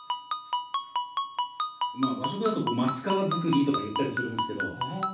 和食だと松皮造りとか言ったりするんすけど。